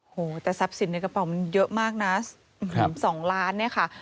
แต่ทรัพย์สินในกระเป๋ามันเยอะมากนะ๒ล้านเนี่ยค่ะ